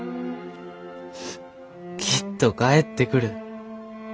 きっと帰ってくる。